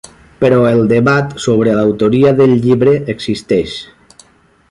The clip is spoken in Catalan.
Però el debat sobre l'autoria del llibre existeix.